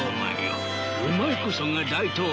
お前こそが大統領だ。